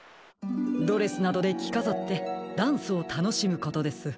ドレスなどできかざってダンスをたのしむことです。